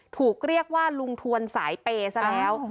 ถูกเรียกว่าลุงทวนสายเปย์ซะแล้ว